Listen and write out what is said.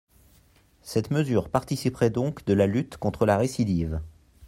Cette mesure participerait donc de la lutte contre la récidive.